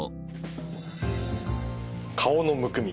顔のむくみ